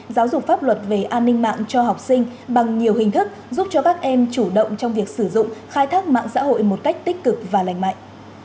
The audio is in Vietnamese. giáo dục pháp luật về an ninh mạng cho học sinh bằng nhiều hình thức giúp cho các em chủ động trong việc sử dụng khai thác mạng xã hội một cách tích cực và lành mạnh